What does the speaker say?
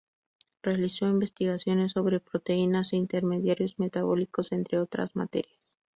Realizó investigaciones sobre proteínas e intermediarios metabólicos, entre otras materias.